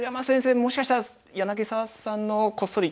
もしかしたら柳澤さんのをこっそり研究して。